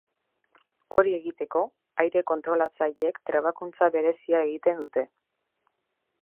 Hori egiteko, aire-kontrolatzaileek trebakuntza berezia egiten dute.